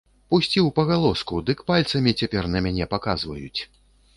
Пусціў пагалоску, дык пальцамі цяпер на мяне паказваюць.